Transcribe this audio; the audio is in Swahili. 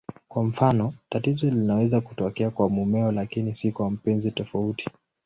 Kwa mfano, tatizo linaweza kutokea kwa mumewe lakini si kwa mpenzi tofauti.